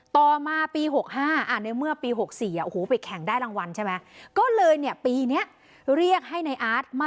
ต่อมาปี๖๕ในเมื่อปี๖๔ไปแข่งได้รางวัลใช่ไหม